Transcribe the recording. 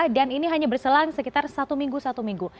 dan ini hanya berselang sekitar satu minggu satu minggu